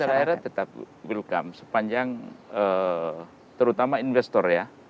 masyarakat tetap welcome sepanjang terutama investor ya